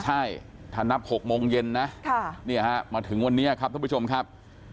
ใช่ถ้านับ๖โมงเย็นนะมาถึงวันนี้ครับท่านผู้ชมครับ